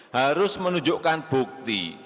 harus menunjukkan bukti